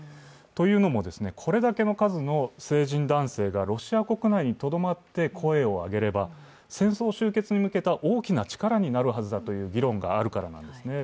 というのも、これだけの数の成人男性がロシア国内にとどまって声を上げれば、声を上げれば戦争終結に向けた大きな力になるはずだという議論があるからなんです。